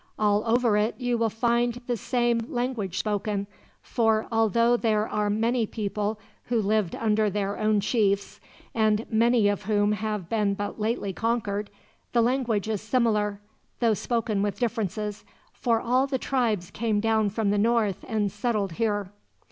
"All over it you will find the same language spoken; for although there are many people who lived under their own chiefs, and many of whom have been but lately conquered, the language is similar, though spoken with differences, for all the tribes came down from the north and settled here."